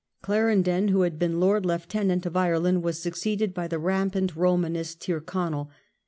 Clarendon, who had been Lord Lieutenant of Ireland, was succeeded by the rampant Romanist Tyrconnel.